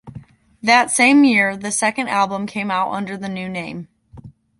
That same year, the second album came out under the new name.